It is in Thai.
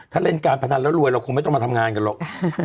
ถ้าเล่นการพนันแล้วรวยเราคงไม่ต้องมาทำงานกันหรอก